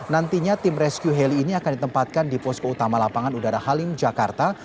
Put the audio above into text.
nantinya tim rescue heli ini akan ditempatkan di posko utama lapangan udara halim jakarta